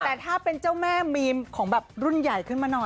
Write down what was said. แต่ถ้าเป็นเจ้าแม่มีมของแบบรุ่นใหญ่ขึ้นมาหน่อย